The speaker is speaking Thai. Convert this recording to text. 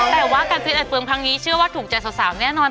แปลว่าการฟิสอันเปิร์มพางี้เชื่อว่าถูกใจสาวแน่นอน